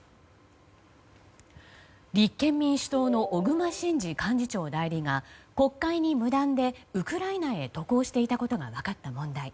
立憲民主党の小熊慎司幹事長代理が国会に無断でウクライナへ渡航していたことが分かった問題。